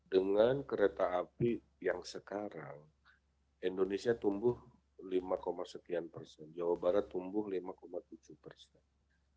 dengan kereta api yang sekarang indonesia tumbuh lima sekian persen jawa barat tumbuh lima tujuh persen